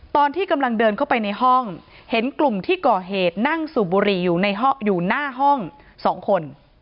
ตอนที่กำลังเดินเข้าไปในห้องเห็นกลุ่มที่ก่อเหตุนั่งสูบบุหรี่อยู่หน้าห้อง๒คน